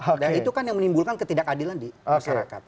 dan itu kan yang menimbulkan ketidakadilan di masyarakat